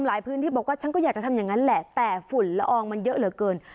พื้นที่บอกว่าฉันก็อยากจะทำอย่างนั้นแหละแต่ฝุ่นละอองมันเยอะเหลือเกิน